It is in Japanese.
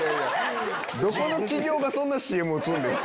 どこの企業がそんなＣＭ打つんですか。